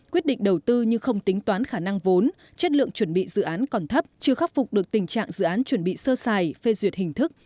quyết định đầu tư nhưng không tính toán khả năng vốn chất lượng chuẩn bị dự án còn thấp chưa khắc phục được tình trạng dự án chuẩn bị sơ xài phê duyệt hình thức